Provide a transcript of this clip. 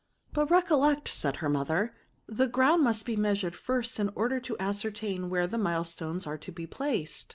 " But recollect," said her mother, " the ground must be measured first in order to as certain where the milestones are to be placed.